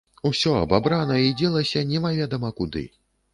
Усё абабрана і дзелася немаведама куды.